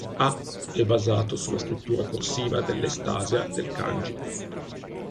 あ è basato sulla scrittura corsiva dell'est-Asia del kanji.